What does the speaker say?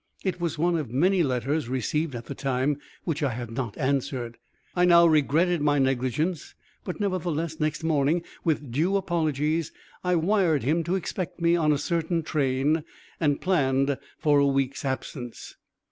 It was one of many letters received at the time, which I had not answered. I now regretted my negligence, but nevertheless, next morning, with due apologies I wired him to expect me on a certain train, and planned for a week's absence.